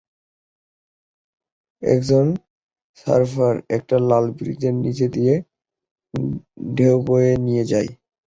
একজন সার্ফার একটা লাল ব্রিজের নিচে দিয়ে ঢেউ বয়ে নিয়ে যায়।